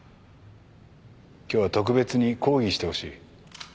今日は特別に講義してほしい。